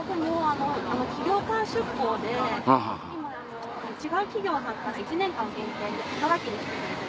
企業間出向で今違う企業さんから１年間限定で働きに来てくれてるんです。